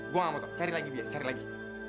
gue ga mau tau cari lagi biar cari lagi